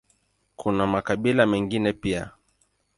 Kuna makabila mengine pia.